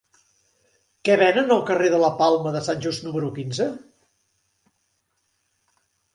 Què venen al carrer de la Palma de Sant Just número quinze?